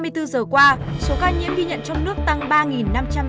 trong hai mươi bốn giờ qua số ca nhiễm ghi nhận trong nước tăng ba năm trăm tám mươi ca